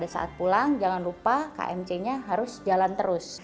saat pulang jangan lupa kmc nya harus jalan terus